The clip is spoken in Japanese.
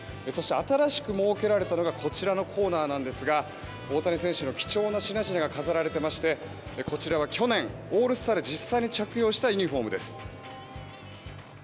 そして新しく設けられたのがこちらのコーナーなんですが大谷選手の貴重な品々が飾られていましてこちらは去年、オールスターで実際に着用したユニホームです。